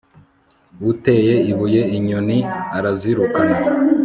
uteye ibuye inyoni, arazirukana